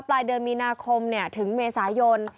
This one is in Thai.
ปลายเดือนมีนาคมถึงเมษายน